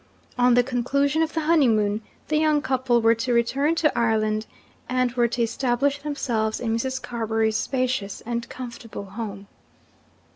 On the conclusion of the honeymoon, the young couple were to return to Ireland, and were to establish themselves in Mrs. Carbury's spacious and comfortable house.